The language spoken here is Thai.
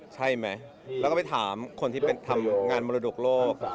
ใช่ไหมแล้วก็ไปถามคนที่เป็นทำงานมรดกโลก